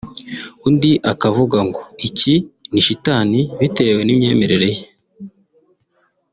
undi akavuga ngo iki ni shitani bitewe n’imyememerere ye